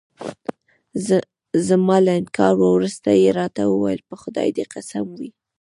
زما له انکار وروسته يې راته وویل: په خدای دې قسم وي.